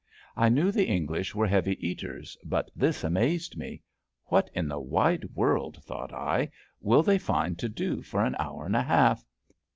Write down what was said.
I knew the English were heavy eaters, but this amazed me. '* What in the wide world,'' thought I, will they find to do for an hour and a half!